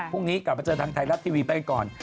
พรุ่งนี้กลับมาเจอทางไทยรัฐทีวีไปก่อน